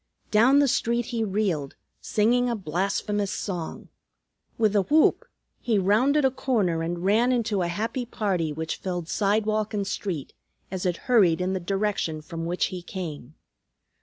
Down the street he reeled, singing a blasphemous song. With a whoop he rounded a corner and ran into a happy party which filled sidewalk and street, as it hurried in the direction from which he came.